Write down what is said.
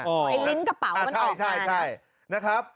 อ๋อไอ้ลิ้นกระเป๋ามันออกมาใช่ใช่ใช่นะครับ